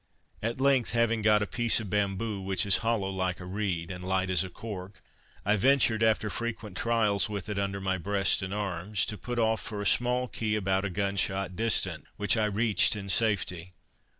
At length, having got a piece of bamboo, which is hollow like a reed, and light as cork, I ventured, after frequent trials with it under my breast and arms, to put off for a small key about a gun shot distant, which I reached in safety.